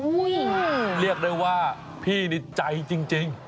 เรียกได้ว่าพี่นี่ใจจริง